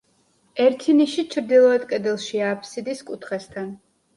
ერთი ნიში ჩრდილოეთ კედელშია, აფსიდის კუთხესთან.